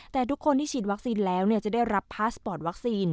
แต่ทุกคนที่ฉีดวัคซีนแล้วจะได้รับพาสปอร์ตวัคซีน